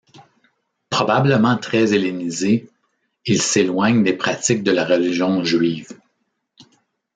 Probablement très hellénisé, il s'éloigne des pratiques de la religion juive.